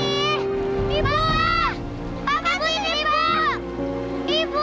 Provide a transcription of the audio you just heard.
itu punya aku itu baju aku